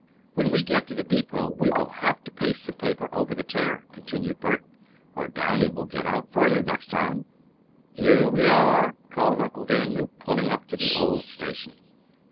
"When we get to the depot we will have to paste some paper over the tear," continued Bert, "or Downy will get out further next time." "Here we are," called Uncle Daniel, pulling up to the old station.